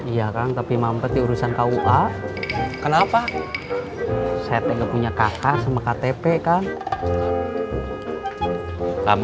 iya kang tapi mampet diurusan kau ah kenapa saya punya kakak sama ktp kang kamu